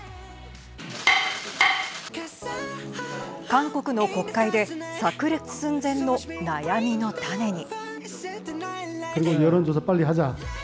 韓国の国会でさく裂寸前の悩みの種に。